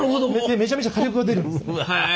めちゃめちゃ火力が出るんですよ。